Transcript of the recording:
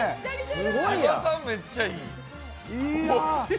芝さん、めっちゃいい。